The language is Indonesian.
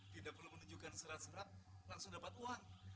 tidak perlu menunjukkan serat serat langsung dapat uang